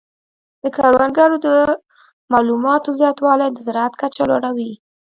د کروندګرو د معلوماتو زیاتوالی د زراعت کچه لوړه وي.